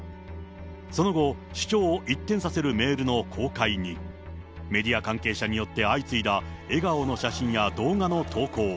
その後、主張を一転させるメールの公開に、メディア関係者によって相次いだ笑顔の写真や動画の投稿。